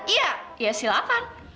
iya ya silahkan